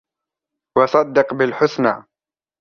وصدق بالحسنى